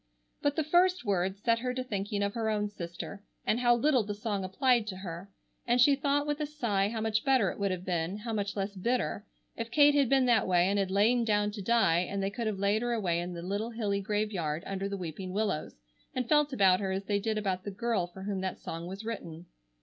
But the first words set her to thinking of her own sister, and how little the song applied to her, and she thought with a sigh how much better it would have been, how much less bitter, if Kate had been that way and had lain down to die and they could have laid her away in the little hilly graveyard under the weeping willows, and felt about her as they did about the girl for whom that song was written.